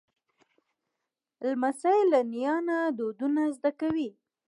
لمسی له نیا نه دودونه زده کوي.